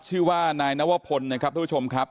ชื่อว่านายนวพลนะครับทุกผู้ชมครับ